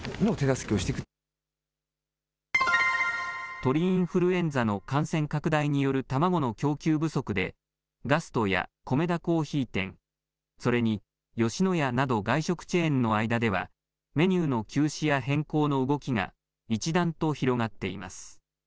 鳥インフルエンザの感染拡大による卵の供給不足で、ガストやコメダ珈琲店、それに吉野家など、外食チェーンの間では、メニューの休止や変更の動きが一段と広がっています。